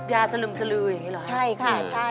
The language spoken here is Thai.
ยาสลุมยังไงเหรอ